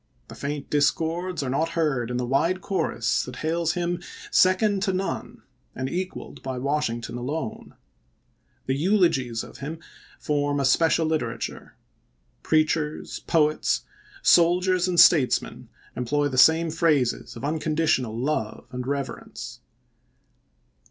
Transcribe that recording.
The faint discords are not heard in the wide chorus that hails him second to none and equaled by Washington alone. The eulogies of him form a special literature. Preachers, poets, soldiers, and statesmen employ the same phrases of unconditional love and reverence.